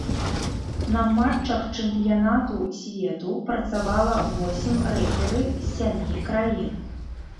На матчах чэмпіянату свету працавала восем рэферы з сямі краін.